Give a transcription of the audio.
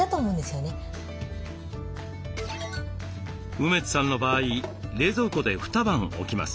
梅津さんの場合冷蔵庫で二晩置きます。